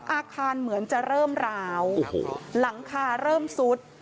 อาคารเหมือนจะเริ่มร้าวหลังคาเริ่มซุด